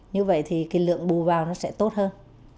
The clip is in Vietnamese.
như vậy thì cái lượng bù vào nó sẽ tốt hơn